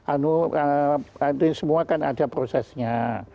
ini semua kan ada prosesnya